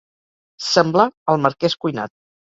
Semblar el marquès Cuinat.